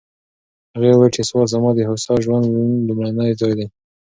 هغې وویل چې سوات زما د هوسا ژوند لومړنی ځای دی.